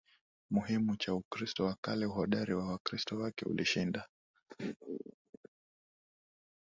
muhimu cha Ukristo wa kale Uhodari wa Wakristo wake ulishinda